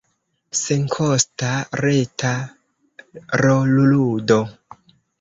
Senkosta, reta rolludo.